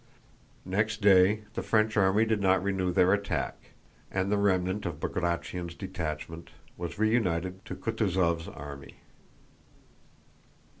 Next day the French army did not renew their attack, and the remnant of Bagratión's detachment was reunited to Kutúzov's army.